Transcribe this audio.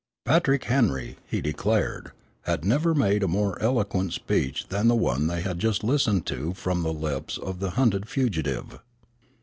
"Patrick Henry," he declared, "had never made a more eloquent speech than the one they had just listened to from the lips of the hunted fugitive."